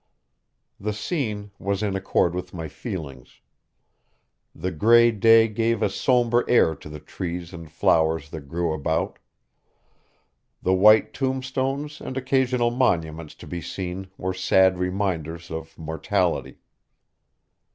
The scene was in accord with my feelings. The gray day gave a somber air to the trees and flowers that grew about. The white tombstones and occasional monuments to be seen were sad reminders of mortality.